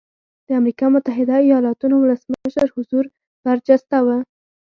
د امریکا متحده ایالتونو ولسمشر حضور برجسته و.